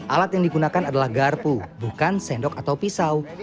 alat yang digunakan adalah garpu bukan sendok atau pisau